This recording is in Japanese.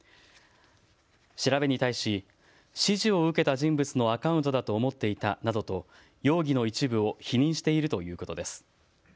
調べに対し、指示を受けた人物のアカウントだと思っていたなどと容疑の一部を否認しているということです。